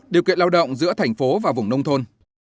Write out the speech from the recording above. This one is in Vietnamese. điều kiện lao động giữa thành phố và vùng nông thôn